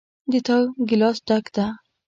د تا ګلاس ډک ده